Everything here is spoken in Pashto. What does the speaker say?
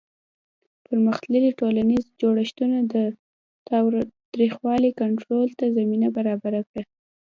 پرمختللي ټولنیز جوړښتونه د تاوتریخوالي کنټرول ته زمینه برابره کړه.